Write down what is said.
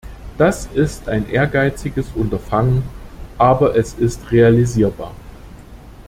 Das ist ein ehrgeiziges Unterfangen, aber es ist realisierbar.